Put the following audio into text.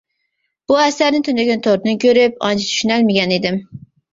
بۇ ئەسەرنى تۈنۈگۈن توردىن كۆرۈپ، ئانچە چۈشىنەلمىگەن ئىدىم.